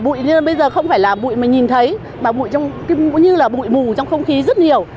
bụi bây giờ không phải là bụi mà nhìn thấy mà bụi như là bụi mù trong không khí rất nhiều